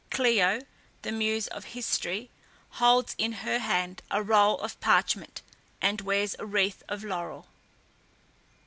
CLIO, the muse of History, holds in her hand a roll of parchment, and wears a wreath of laurel.